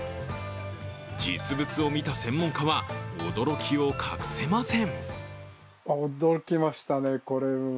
実物を見た専門家は驚きを隠せません。